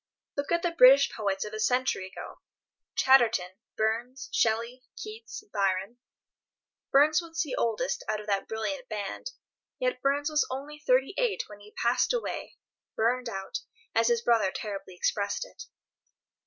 Look at the British poets of a century ago: Chatterton, Burns, Shelley, Keats, Byron. Burns was the oldest of that brilliant band, yet Burns was only thirty eight when he passed away, "burned out," as his brother terribly expressed it.